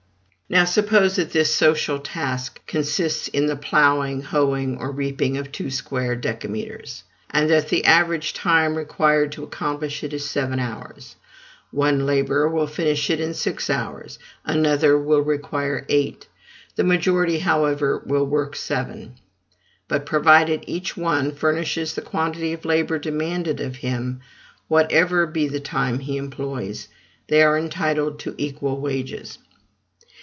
Now, suppose that this daily social task consists in the ploughing, hoeing, or reaping of two square decameters, and that the average time required to accomplish it is seven hours: one laborer will finish it in six hours, another will require eight; the majority, however, will work seven. But provided each one furnishes the quantity of labor demanded of him, whatever be the time he employs, they are entitled to equal wages.